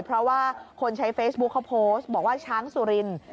เพราะว่าคนใช้เฟซบุ๊คเขาโพสต์บอกว่าช้างสุรินทร์